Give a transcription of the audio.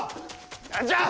何じゃ！